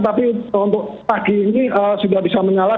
tapi untuk pagi ini sudah bisa menyala